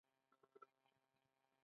خلک په لارو کې د تکلیف شپېورځې تېروي.